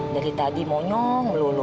dari tadi monyong melulu